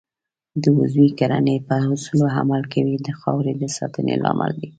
د عضوي کرنې پر اصولو عمل کول د خاورې د ساتنې لامل دی.